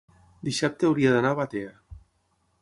dissabte hauria d'anar a Batea.